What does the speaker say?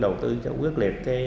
đầu tư cho quyết liệt